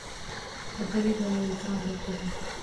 ابدالي د انګرېزانو رقیب وو.